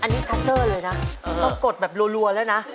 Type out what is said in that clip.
อันนี้ชัตเตอร์เลยนะต้องกดแบบรัวแล้วนะ